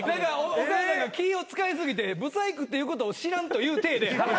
お母さんが気を使い過ぎて不細工っていうことを知らんという体で。